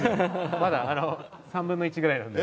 まだ３分の１ぐらいなので。